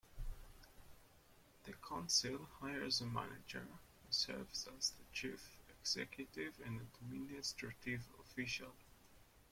The council hires a manager, who serves as the chief executive and administrative official.